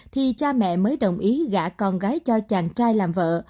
thì cha mẹ mới đồng ý gã con gái cho chàng trai làm vợ